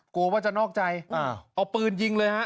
กลัวว่าจะนอกใจเอาปืนยิงเลยฮะ